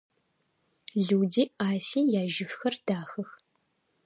Люди Аси яжьыфхэр дахэх.